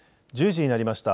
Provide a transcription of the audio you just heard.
１０時になりました。